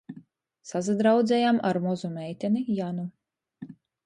Sasadraudzejam ar mozu meitini Janu.